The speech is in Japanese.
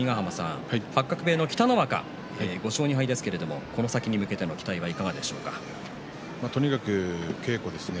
八角部屋の北の若５勝２敗ですけどこの先に向けての期待はとにかく稽古ですね。